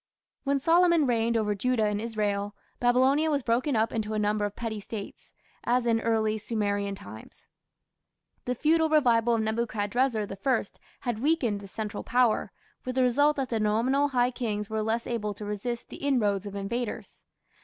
When Solomon reigned over Judah and Israel, Babylonia was broken up into a number of petty States, as in early Sumerian times. The feudal revival of Nebuchadrezzar I had weakened the central power, with the result that the nominal high kings were less able to resist the inroads of invaders.